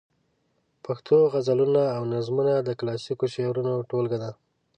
پښتو غزلونه او نظمونه د کلاسیک شعرونو ټولګه ده.